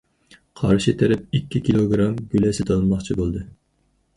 قارشى تەرەپ ئىككى كىلوگىرام گۈلە سېتىۋالماقچى بولدى.